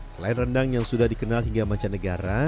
selain rendang yang sudah dikenal hingga mancanegara